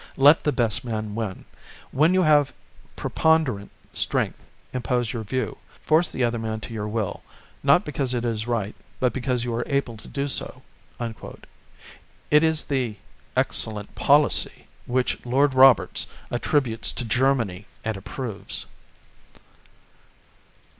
Let the best man win. When you have preponderant strength, impose your view; force the other man to your will; not because it is right, but because you are able to do so." It is the "excellent policy" which Lord Roberts attributes to Germany and approves.